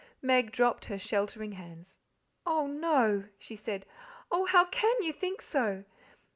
Meg dropped her sheltering hands. "Oh, no," she said, "oh! how CAN you think so?